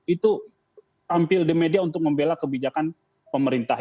itu tampil di media untuk membela kebijakan pemerintah